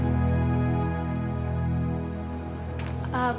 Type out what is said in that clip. aku akan mencari dia